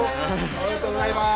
ありがとうございます。